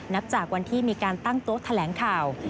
นับจากวันที่มีการตั้งโต๊ะแถลงข่าว